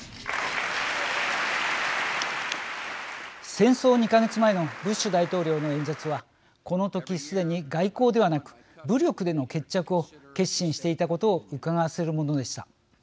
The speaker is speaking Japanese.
戦争２か月前のブッシュ大統領の演説はこの時、すでに外交ではなく武力での決着を決心していたことをうかがわせるものでした。